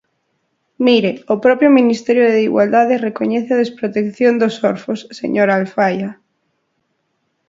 Mire, o propio Ministerio de Igualdade recoñece a desprotección dos orfos, señora Alfaia.